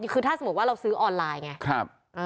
คือถ้าสมมุติว่าเราซื้อออนไลน์ไง